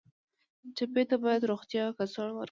ټپي ته باید روغتیایي کڅوړه ورکړو.